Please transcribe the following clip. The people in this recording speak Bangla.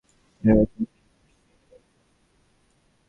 তিনি রয়েছেন শীর্ষ দশের শেষ স্থানে।